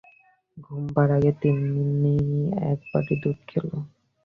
ঘুমুবার আগে তিন্নি একবাটি দুধ খেল।